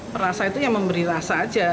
perasa itu yang memberi rasa saja